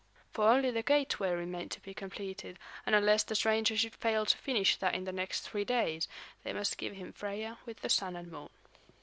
For only the gateway remained to be completed, and unless the stranger should fail to finish that in the next three days, they must give him Freia with the Sun and Moon.